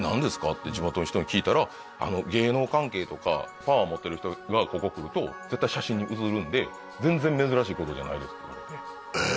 って地元の人に聞いたら芸能関係とかパワー持ってる人がここ来ると絶対写真に写るんで全然珍しいことじゃないですってええ！？